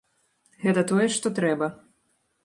Гэта тое, што трэба.